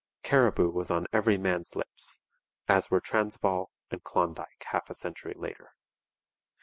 Cariboo was on every man's lips, as were Transvaal and Klondike half a century later.